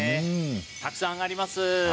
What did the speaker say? たくさんあります。